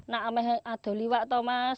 nah ada yang berani